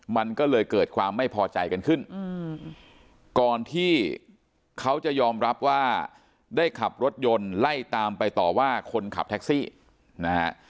มันก็เลยเกิดความไม่พอใจกันขึ้นก่อนที่เขาจะยอมรับว่าได้ขับรถยนต์ไล่ตามไปต่อว่าคนขับแท็กซี่นะฮะ